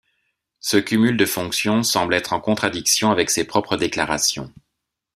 Ce cumul de fonctions semble être en contradiction avec ses propres déclarations.